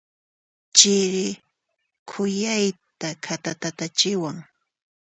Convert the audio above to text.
Chiri khuyayta khatatachiwan.